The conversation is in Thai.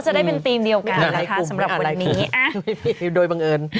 เสื้อสวยฮะ